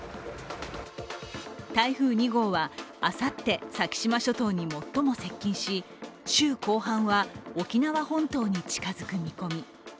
台風２号はあさって先島諸島に最も接近し週後半は沖縄本島に近づく見込み。